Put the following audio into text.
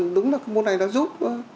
đúng là cái môn này nó giúp